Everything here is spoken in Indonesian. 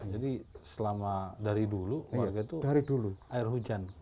jadi selama dari dulu warga itu air hujan